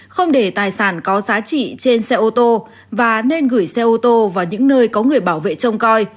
không để tài sản có giá trị trên xe ô tô và nên gửi xe ô tô vào những nơi có người bảo vệ trông coi